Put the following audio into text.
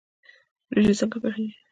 وریجې څنګه پخیږي؟